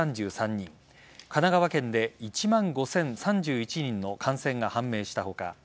神奈川県で１万５０３１人の感染が判明した他